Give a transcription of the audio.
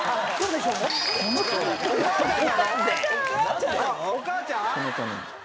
「お母ちゃんなの？」